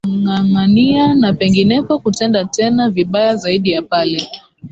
na hiyo kangangania na penginepo kutenda tena vibaya zaidi ya pale